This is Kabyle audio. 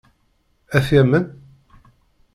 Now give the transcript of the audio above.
Ad t-yamen?